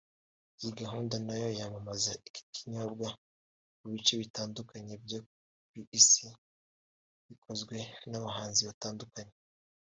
Iyi gahunda nayo yamamaza iki kinyobwa mu bice bitandukanye byo ku isi bikozwe n’abahanzi batandukanye